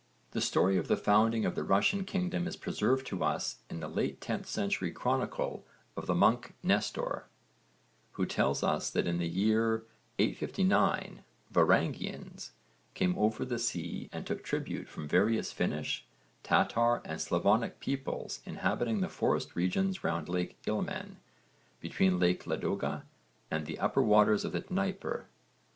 The story of the founding of the Russian kingdom is preserved to us in the late 10th century chronicle of the monk Nestor, who tells us that in the year 859 'Varangians' came over the sea and took tribute from various Finnish, Tatar and Slavonic peoples inhabiting the forest regions round Lake Ilmen, between Lake Ladoga and the upper waters of the Dnieper.